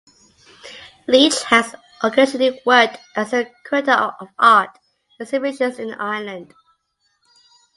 Leach has occasionally worked as the curator of art exhibitions in Ireland.